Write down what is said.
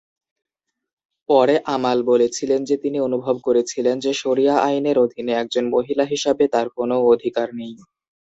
পরে আমাল বলেছিলেন যে তিনি অনুভব করেছিলেন যে শরিয়া আইনের অধীনে একজন মহিলা হিসাবে তাঁর কোনও অধিকার নেই।